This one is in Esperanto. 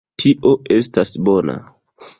Tio estas bona.